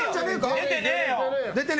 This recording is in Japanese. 出てねえか。